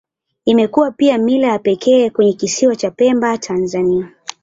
Imekuwa pia mila ya pekee kwenye Kisiwa cha Pemba, Tanzania.